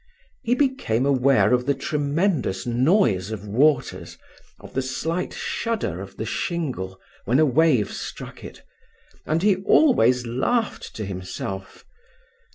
He became aware of the tremendous noise of waters, of the slight shudder of the shingle when a wave struck it, and he always laughed to himself.